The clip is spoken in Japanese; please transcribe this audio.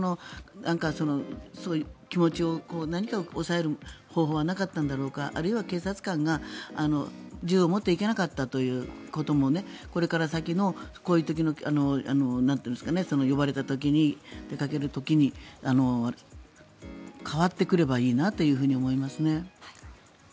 その気持ち、何か抑える方法はなかったんだろうかあるいは警察官が銃を持ってはいけなかったということもこれから先のこういう時の、呼ばれた時に出かける時に変わってくればいいなと思いますね。